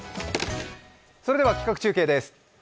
それでは企画中継です。